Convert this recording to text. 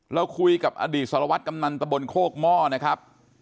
เราคุยกับอดีตสารวัตรกำนันตะบนโคกหม้อนะครับ